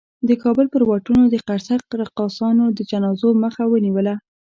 د کابل پر واټونو د قرصک رقاصانو د جنازو مخه ونیوله.